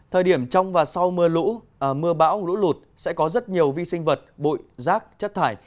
thời điểm trong và sau mưa lũ mưa bão lũ lụt sẽ có rất nhiều vi sinh vật bụi rác chất thải